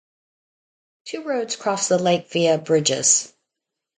Two roads cross the lake via bridges.